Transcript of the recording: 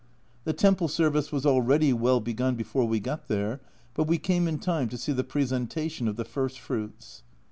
A Journal from Japan 199 The temple service was already well begun before we got there, but we came in time to see the presenta tion of the first fruits.